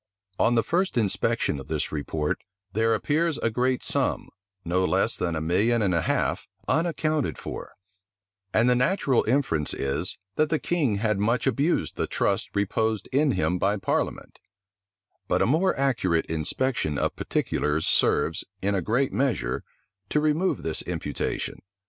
On the first inspection of this report, there appears a great sum, no less than a million and a half, unaccounted for; and the natural inference is, that the king had much abused the trust reposed in him by parliament But a more accurate inspection of particulars serves, in a great measure, to remove this imputation.